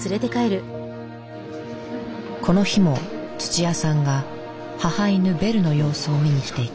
この日も土屋さんが母犬ベルの様子を見に来ていた。